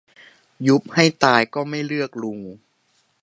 ยุบให้ตายก็ไม่เลือกลุง